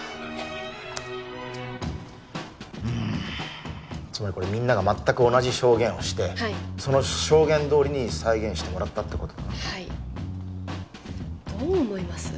うむつまりこれみんなが全く同じ証言をしてその証言どおりに再現してもらったってことだなはいどう思います？